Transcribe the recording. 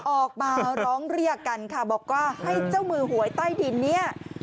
ออกมาร้องเรียกกันค่ะบอกว่าให้เจ้ามือหวยใต้ดินเนี่ย